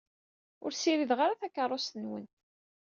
Ur ssirideɣ ara takeṛṛust-nwen.